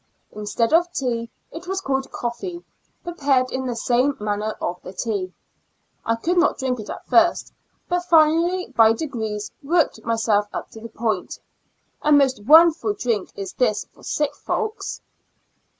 Instead of tea, it was called coffee, prepared in the same manner of the tea. I could not drink it at first, but finally by degrees worked myself up to the point. A most wonderful drink is this for sick folks